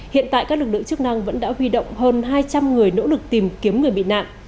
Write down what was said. hiện tại các lực lượng chức năng vẫn đã huy động hơn hai trăm linh người nỗ lực tìm kiếm người bị nạn